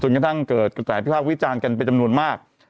กระทั่งเกิดกระแสวิภาควิจารณ์กันเป็นจำนวนมาก